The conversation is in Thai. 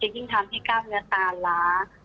ยิ่งทำให้กล้ามเนื้อตาล้า